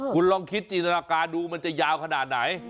คุณลองคิดจินตนาการดูมันจะยาวขนาดไหน